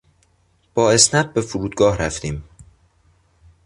با اسنپ به فرودگاه رفتیم.